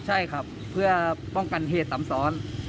ใช่ครับเพื่อป้องกันเหตุซ้ำซ้อน